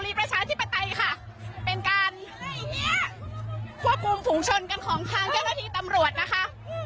มีประชาธิปไตยค่ะเป็นการควบคุมฝุงชนกันของทางเจ้าหน้าที่ตำรวจนะคะ